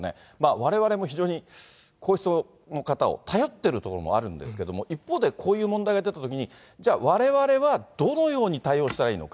われわれも非常に、皇室の方を頼ってるところもあるんですけれども、一方で、こういう問題が出たときに、じゃあ、われわれはどのように対応したらいいのか。